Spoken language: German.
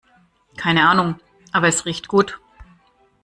Keine Ahnung, aber es riecht gut.